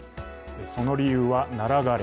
その理由はナラ枯れ。